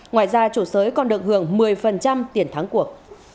ngoài ra chủ sới còn được hưởng một mươi tiền thắng cuộc